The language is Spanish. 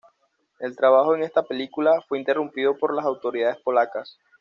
El trabajo en esta película fue interrumpido por las autoridades polacas.